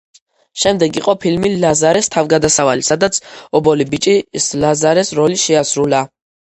შემდეგ იყო ფილმი „ლაზარეს თავგადასავალი“, სადაც ობოლი ბიჭის ლაზარეს როლი შეასრულა.